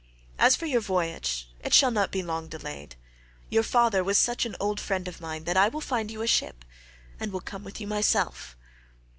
As for your voyage, it shall not be long delayed; your father was such an old friend of mine that I will find you a ship, and will come with you myself.